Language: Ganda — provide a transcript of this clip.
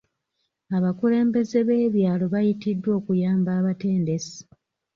Abakulembeze b'ebyalo bayitiddwa okuyamba abatendesi.